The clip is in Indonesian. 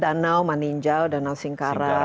danau maninjau danau singkara